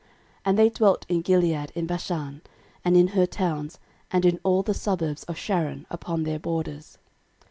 13:005:016 And they dwelt in Gilead in Bashan, and in her towns, and in all the suburbs of Sharon, upon their borders.